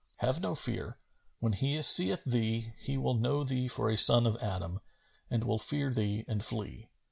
"Have no fear: when he seeth thee, he will know thee for a son of Adam and will fear thee and flee.